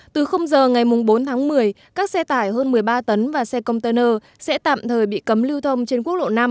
từ giờ ngày bốn tháng một mươi các xe tải hơn một mươi ba tấn và xe container sẽ tạm thời bị cấm lưu thông trên quốc lộ năm